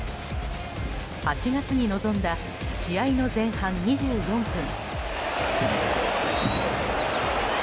８月に臨んだ試合の前半２４分。